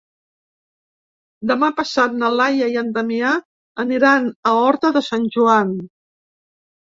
Demà passat na Laia i en Damià aniran a Horta de Sant Joan.